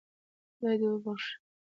خدای دې وبخښي.